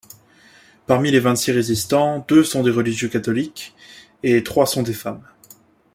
Parmi les vingt-six résistants, deux sont des religieux catholiques et trois sont des femmes.